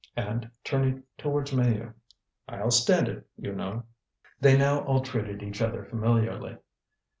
And turning towards Maheu: "I'll stand it, you know." They now all treated each other familiarly.